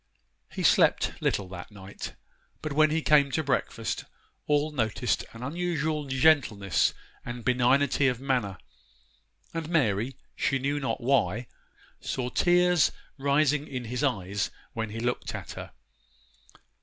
He slept little that night, but when he came to breakfast all noticed an unusual gentleness and benignity of manner; and Mary, she knew not why, saw tears rising in his eyes when he looked at her.